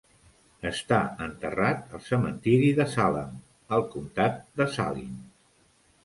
Està enterrat al cementiri de Salem, al comtat de Saline.